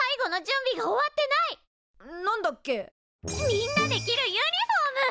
みんなで着るユニフォーム！